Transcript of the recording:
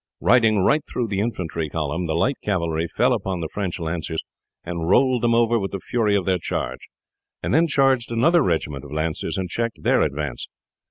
Riding right through the infantry column the light cavalry fell upon the French lancers and rolled them over with the fury of their charge, and then charged another regiment of lancers and checked their advance.